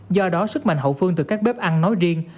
do đó sức mạnh hậu phương từ các bếp ăn nói riêng